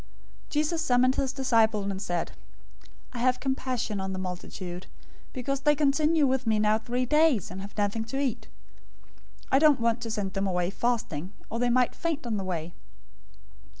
015:032 Jesus summoned his disciples and said, "I have compassion on the multitude, because they continue with me now three days and have nothing to eat. I don't want to send them away fasting, or they might faint on the way."